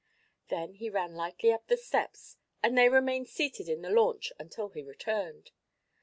Then he ran lightly up the steps and they remained seated in the launch until he returned.